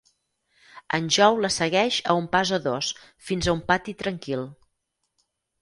En Jo la segueix a un pas o dos fins a un pati tranquil.